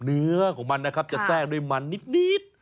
เนื้อของมันนะครับจะแทรกด้วยมันนิด